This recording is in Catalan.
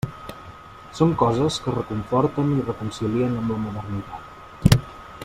Són coses que reconforten i reconcilien amb la modernitat.